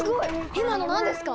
今の何ですか？